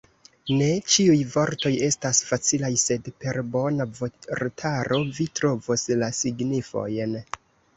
Ne ĉiuj vortoj estas facilaj, sed per bona vortaro, vi trovos la signifojn.